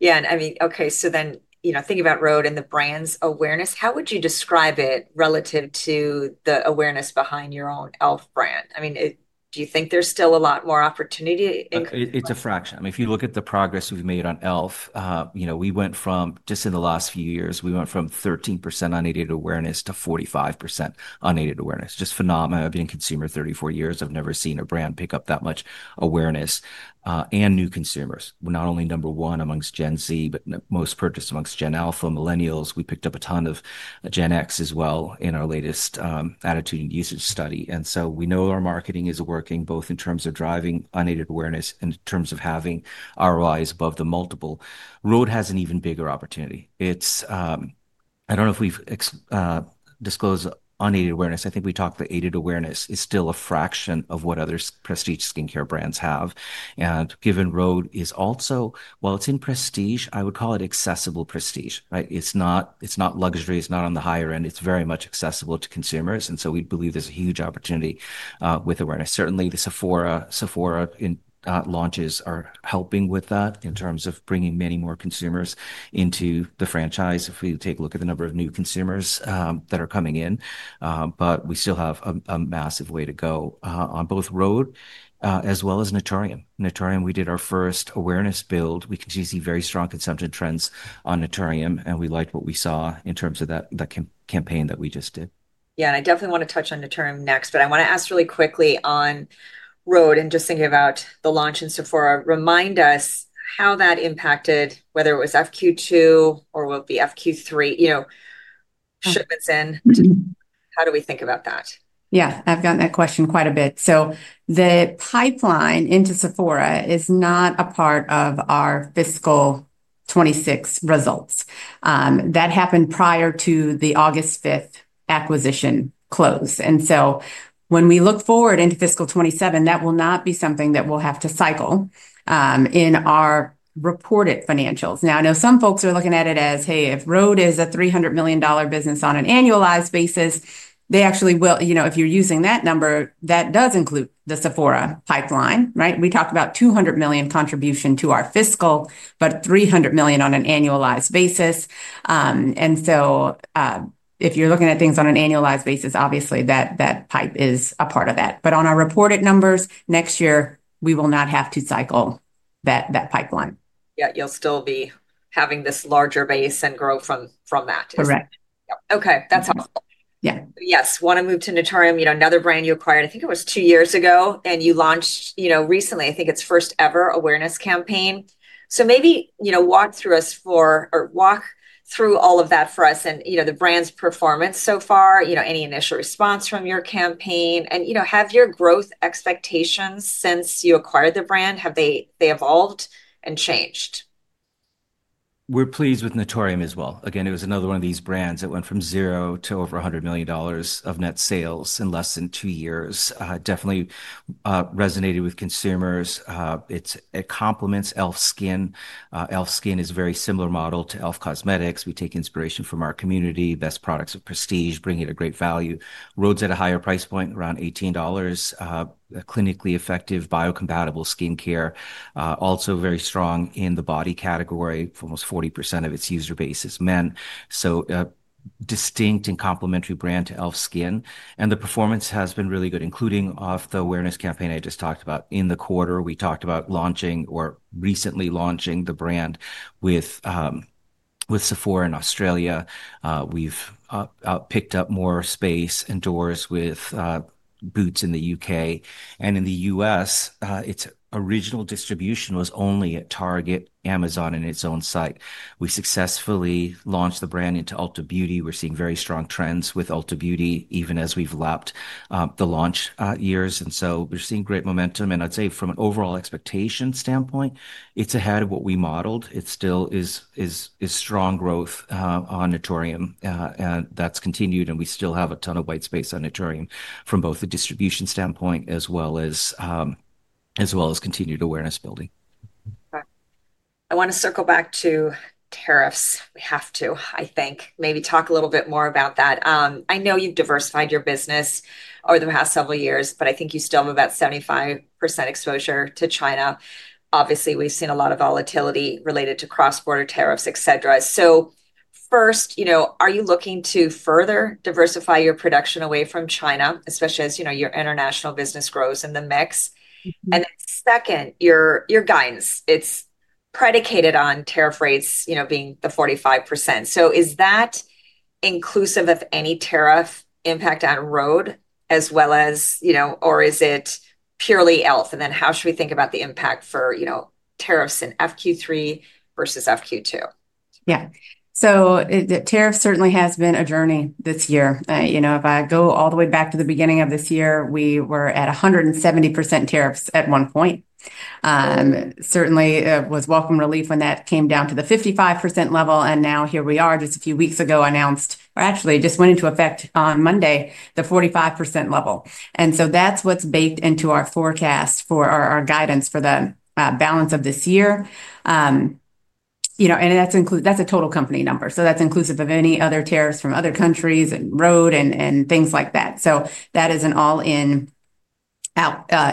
Yeah. I mean, okay, so then, you know, thinking about rhode and the brand's awareness, how would you describe it relative to the awareness behind your own e.l.f. brand? I mean, do you think there's still a lot more opportunity? It's a fraction. I mean, if you look at the progress we've made on e.l.f., you know, we went from just in the last few years, we went from 13% unaided awareness to 45% unaided awareness. Just phenomenal. I've been a consumer 34 years. I've never seen a brand pick up that much awareness and new consumers. We're not only number one amongst Gen Z, but most purchased amongst Gen Alpha, Millennials. We picked up a ton of Gen X as well in our latest attitude and usage study. We know our marketing is working both in terms of driving unaided awareness and in terms of having ROIs above the multiple. rhode has an even bigger opportunity. I don't know if we've disclosed unaided awareness. I think we talked that aided awareness is still a fraction of what other Prestige skincare brands have. Given rhode is also, while it's in Prestige, I would call it accessible Prestige, right? It's not luxury. It's not on the higher end. It's very much accessible to consumers. We believe there's a huge opportunity with awareness. Certainly, the Sephora launches are helping with that in terms of bringing many more consumers into the franchise if we take a look at the number of new consumers that are coming in. We still have a massive way to go on both rhode as well as Naturium. Naturium, we did our first awareness build. We continue to see very strong consumption trends on Naturium, and we liked what we saw in terms of that campaign that we just did. Yeah. I definitely want to touch on Naturium next, but I want to ask really quickly on rhode and just thinking about the launch in Sephora, remind us how that impacted, whether it was FQ2 or will it be FQ3, you know, shipments in? How do we think about that? Yeah. I've gotten that question quite a bit. The pipeline into Sephora is not a part of our fiscal 2026 results. That happened prior to the August 5 acquisition close. When we look forward into fiscal 2027, that will not be something that we'll have to cycle in our reported financials. Now, I know some folks are looking at it as, hey, if rhode is a $300 million business on an annualized basis, they actually will, you know, if you're using that number, that does include the Sephora pipeline, right? We talked about $200 million contribution to our fiscal, but $300 million on an annualized basis. If you're looking at things on an annualized basis, obviously that pipe is a part of that. On our reported numbers next year, we will not have to cycle that pipeline. Yeah. You'll still be having this larger base and grow from that. Correct. Okay. That's helpful. Yeah. Yes. Want to move to Naturium, you know, another brand you acquired, I think it was two years ago, and you launched, you know, recently, I think its first ever awareness campaign. Maybe, you know, walk through all of that for us and, you know, the brand's performance so far, you know, any initial response from your campaign, and, you know, have your growth expectations since you acquired the brand, have they evolved and changed? We're pleased with Naturium as well. Again, it was another one of these brands that went from zero to over $100 million of net sales in less than two years. Definitely resonated with consumers. It complements e.l.f. Skin. e.l.f. Skin is a very similar model to e.l.f. Cosmetics. We take inspiration from our community, best products of Prestige, bringing it a great value. rhode's at a higher price point, around $18. Clinically effective, biocompatible skincare. Also very strong in the body category for almost 40% of its user base is men. So distinct and complementary brand to e.l.f. Skin. The performance has been really good, including off the awareness campaign I just talked about. In the quarter, we talked about launching or recently launching the brand with Sephora in Australia. We've picked up more space indoors with Boots in the U.K. In the U.S., its original distribution was only at Target, Amazon, and its own site. We successfully launched the brand into Ulta Beauty. We are seeing very strong trends with Ulta Beauty, even as we have lapped the launch years. We are seeing great momentum. I would say from an overall expectation standpoint, it is ahead of what we modeled. It still is strong growth on Naturium. That has continued. We still have a ton of white space on Naturium from both the distribution standpoint as well as continued awareness building. Okay. I want to circle back to tariffs. We have to, I think, maybe talk a little bit more about that. I know you've diversified your business over the past several years, but I think you still have about 75% exposure to China. Obviously, we've seen a lot of volatility related to cross-border tariffs, et cetera. First, you know, are you looking to further diversify your production away from China, especially as, you know, your international business grows in the mix? Second, your guidance, it's predicated on tariff rates, you know, being the 45%. Is that inclusive of any tariff impact on rhode as well as, you know, or is it purely e.l.f.? How should we think about the impact for, you know, tariffs in FQ3 versus FQ2? Yeah. So the tariff certainly has been a journey this year. You know, if I go all the way back to the beginning of this year, we were at 170% tariffs at one point. Certainly, it was welcome relief when that came down to the 55% level. And now here we are, just a few weeks ago, announced, or actually just went into effect on Monday, the 45% level. And so that's what's baked into our forecast for our guidance for the balance of this year. You know, and that's a total company number. So that's inclusive of any other tariffs from other countries and rhode and things like that. So that is an all-in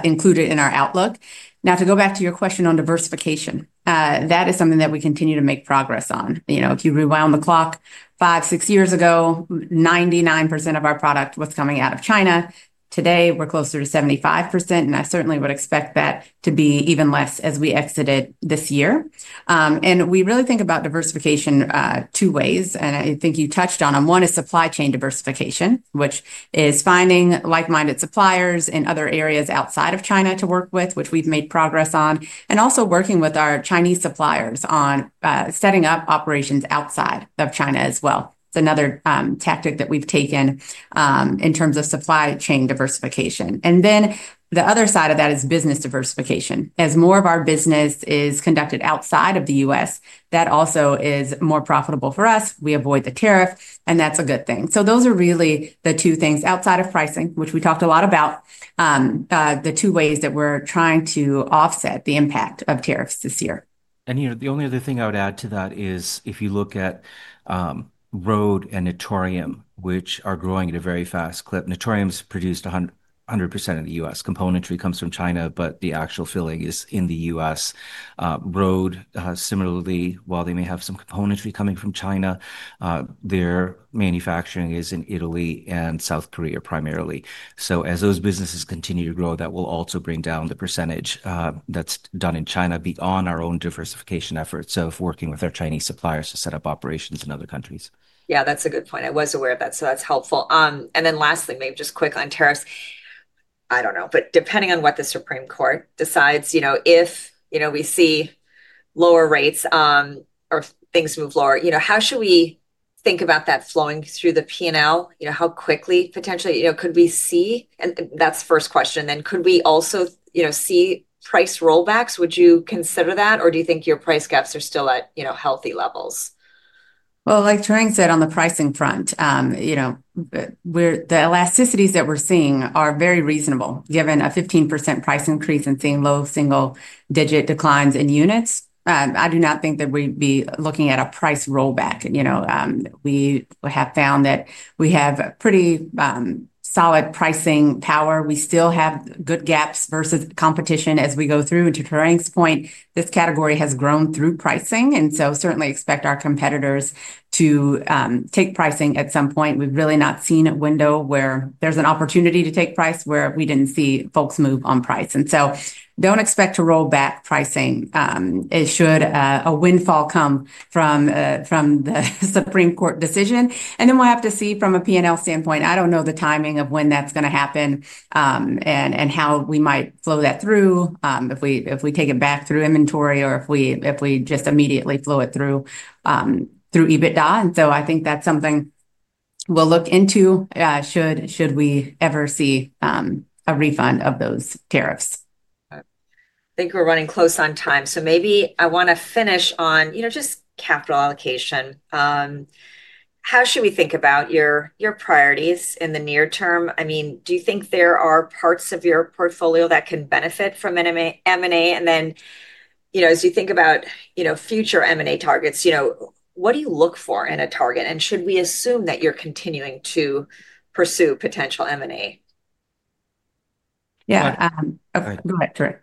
included in our outlook. Now, to go back to your question on diversification, that is something that we continue to make progress on. You know, if you rewind the clock five, six years ago, 99% of our product was coming out of China. Today, we're closer to 75%. I certainly would expect that to be even less as we exited this year. We really think about diversification two ways. I think you touched on them. One is supply chain diversification, which is finding like-minded suppliers in other areas outside of China to work with, which we've made progress on, and also working with our Chinese suppliers on setting up operations outside of China as well. It's another tactic that we've taken in terms of supply chain diversification. The other side of that is business diversification. As more of our business is conducted outside of the U.S., that also is more profitable for us. We avoid the tariff, and that's a good thing. Those are really the two things outside of pricing, which we talked a lot about, the two ways that we're trying to offset the impact of tariffs this year. You know, the only other thing I would add to that is if you look at rhode and Naturium, which are growing at a very fast clip. Naturium's produced 100% in the U.S. Componentry comes from China, but the actual filling is in the U.S. rhode, similarly, while they may have some componentry coming from China, their manufacturing is in Italy and South Korea primarily. As those businesses continue to grow, that will also bring down the percentage that's done in China beyond our own diversification efforts. If working with our Chinese suppliers to set up operations in other countries. Yeah, that's a good point. I was aware of that. That's helpful. Lastly, maybe just quick on tariffs. I don't know, but depending on what the Supreme Court decides, you know, if, you know, we see lower rates or things move lower, you know, how should we think about that flowing through the P&L? You know, how quickly potentially, you know, could we see, and that's the first question. Could we also, you know, see price rollbacks? Would you consider that, or do you think your price gaps are still at, you know, healthy levels? Like Tarang said on the pricing front, you know, the elasticities that we're seeing are very reasonable given a 15% price increase and seeing low single-digit declines in units. I do not think that we'd be looking at a price rollback. You know, we have found that we have pretty solid pricing power. We still have good gaps versus competition as we go through. To Tarang's point, this category has grown through pricing. Certainly expect our competitors to take pricing at some point. We've really not seen a window where there's an opportunity to take price where we did not see folks move on price. Do not expect to roll back pricing. It should, a windfall come from the Supreme Court decision. Then we'll have to see from a P&L standpoint. I don't know the timing of when that's going to happen and how we might flow that through if we take it back through inventory or if we just immediately flow it through EBITDA. I think that's something we'll look into should we ever see a refund of those tariffs. I think we're running close on time. Maybe I want to finish on, you know, just capital allocation. How should we think about your priorities in the near term? I mean, do you think there are parts of your portfolio that can benefit from M&A? Then, you know, as you think about, you know, future M&A targets, you know, what do you look for in a target? Should we assume that you're continuing to pursue potential M&A? Yeah. Go ahead, Tarang.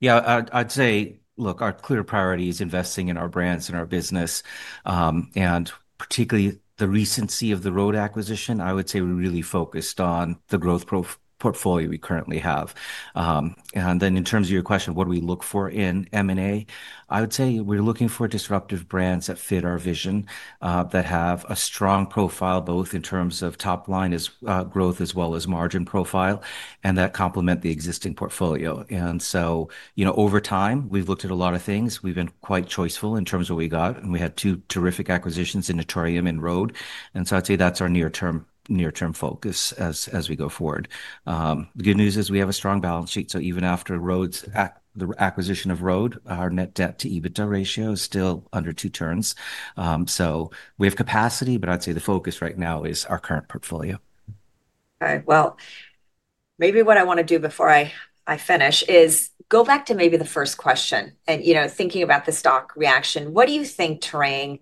Yeah. I'd say, look, our clear priority is investing in our brands and our business. Particularly the recency of the rhode acquisition, I would say we're really focused on the growth portfolio we currently have. In terms of your question, what do we look for in M&A? I would say we're looking for disruptive brands that fit our vision, that have a strong profile both in terms of top-line growth as well as margin profile, and that complement the existing portfolio. You know, over time, we've looked at a lot of things. We've been quite choiceful in terms of what we got. We had two terrific acquisitions in Naturium and rhode. I'd say that's our near-term focus as we go forward. The good news is we have a strong balance sheet. Even after the acquisition of rhode, our net debt to EBITDA ratio is still under two turns. We have capacity, but I'd say the focus right now is our current portfolio. Okay. Maybe what I want to do before I finish is go back to maybe the first question. And, you know, thinking about the stock reaction, what do you think, Tarang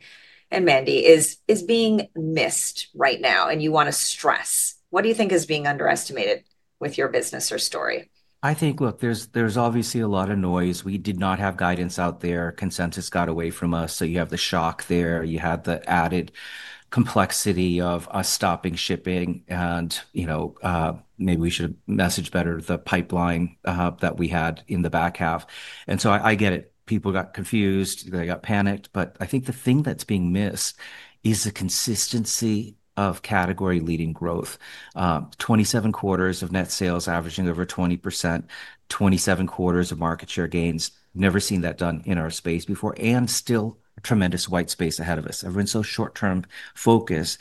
and Mandy, is being missed right now and you want to stress? What do you think is being underestimated with your business or story? I think, look, there's obviously a lot of noise. We did not have guidance out there. Consensus got away from us. You have the shock there. You have the added complexity of us stopping shipping. And, you know, maybe we should have messaged better the pipeline that we had in the back half. I get it. People got confused. They got panicked. I think the thing that's being missed is the consistency of category-leading growth. 27 quarters of net sales averaging over 20%, 27 quarters of market share gains. Never seen that done in our space before and still tremendous white space ahead of us. Everyone's so short-term focused.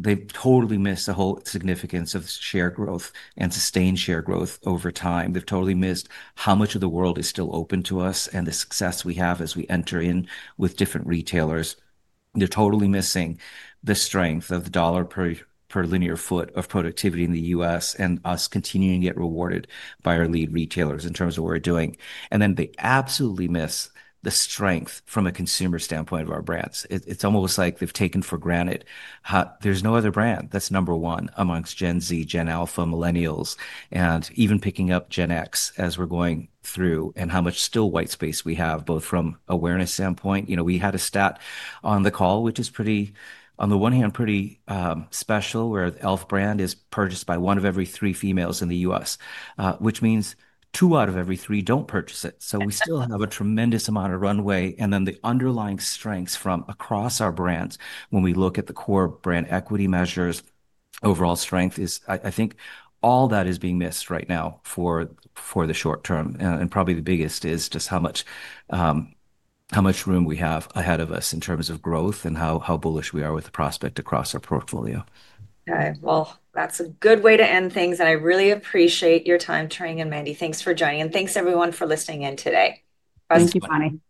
They've totally missed the whole significance of share growth and sustained share growth over time. They've totally missed how much of the world is still open to us and the success we have as we enter in with different retailers. They're totally missing the strength of the dollar per linear foot of productivity in the U.S. and us continuing to get rewarded by our lead retailers in terms of what we're doing. They absolutely miss the strength from a consumer standpoint of our brands. It's almost like they've taken for granted how there's no other brand that's number one amongst Gen Z, Gen Alpha, Millennials, and even picking up Gen X as we're going through and how much still white space we have both from awareness standpoint. You know, we had a stat on the call, which is pretty, on the one hand, pretty special where the e.l.f. brand is purchased by one of every three females in the U.S., which means two out of every three do not purchase it. We still have a tremendous amount of runway. The underlying strengths from across our brands, when we look at the core brand equity measures, overall strength is, I think all that is being missed right now for the short term. Probably the biggest is just how much room we have ahead of us in terms of growth and how bullish we are with the prospect across our portfolio. Okay. That is a good way to end things. I really appreciate your time, Tarang and Mandy. Thanks for joining. Thanks everyone for listening in today. Thank you, Bonnie. Bye.